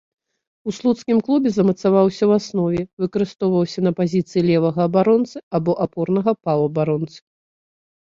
У слуцкім клубе замацаваўся ў аснове, выкарыстоўваўся на пазіцыі левага абаронцы або апорнага паўабаронцы.